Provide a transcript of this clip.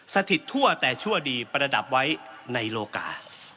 สถิตทั่วแต่ชั่วดีประดับไว้ในโลกา